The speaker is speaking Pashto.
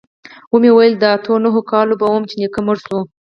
ومې ويل د اتو نهو کالو به وم چې نيکه مړ سو.